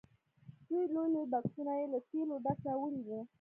دوه لوی لوی بکسونه یې له تېلو ډک راوړي وو.